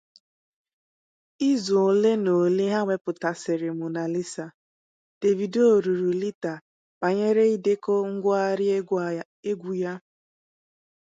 Izu ole na ole ha wepụtasịrị "Monalisa", Davido ruru Lyta banyere ịdekọ ngụgharị egwu ya.